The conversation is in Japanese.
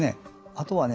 あとはね